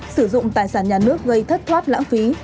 sử dụng tài sản nhà nước gây thất thoát lãng phí